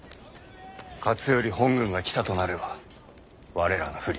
勝頼本軍が来たとなれば我らが不利。